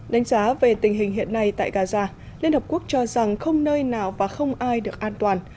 đánh giá về tình hình hiện nay tại gaza liên hợp quốc cho rằng không nơi nào và không ai được an toàn